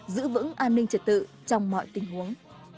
giữ vững an ninh trật tự trong mọi tình huống